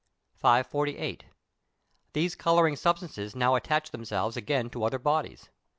548. These colouring substances now attach themselves again to other bodies.